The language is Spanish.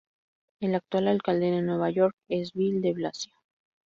El actual alcalde de Nueva York es Bill de Blasio.